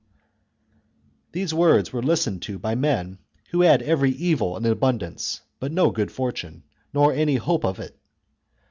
These words were listened to by men who had every chap. XXI evil in abundance, but no good fortune, nor any hope of it.